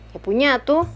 ya punya tuh